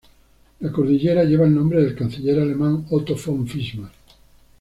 La cordillera lleva el nombre del canciller alemán Otto von Bismarck.